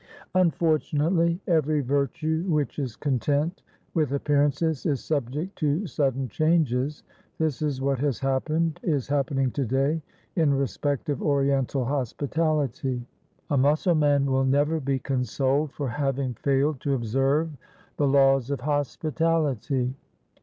"Unfortunately, every virtue which is content with appearances is subject to sudden changes. This is what has happened is happening to day in respect of Oriental hospitality. A Mussulman will never be consoled for having failed to observe the laws of hospitality.